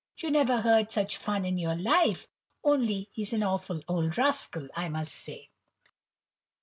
You never heard such fun in your life,—only he's an awful old rascal, I must say!"